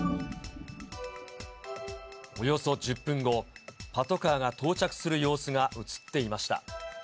およそ１０分後、パトカーが到着する様子が写っていました。